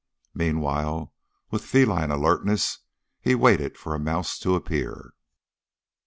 Meanwhile, with feline alertness he waited for a mouse to appear.